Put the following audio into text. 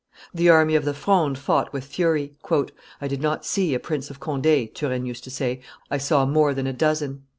The army of the Fronde fought with fury. "I did not see a Prince of Conde," Turenne used to say; "I saw more than a dozen."